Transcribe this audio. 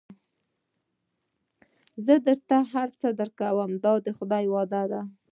زه درته دا هر څه درکوم دا د خدای وعده ده.